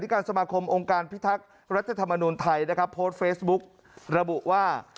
การสมาคมองค์การพิทักษ์รัฐธรรมนุนไทยนะครับโพสต์เฟซบุ๊กระบุว่า